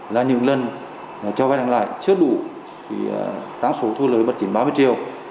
là những lần cho vay đăng lại chưa đủ tăng số thu lời bật chỉnh ba mươi triệu